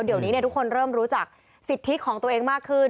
เดี๋ยวนี้ทุกคนเริ่มรู้จักสิทธิของตัวเองมากขึ้น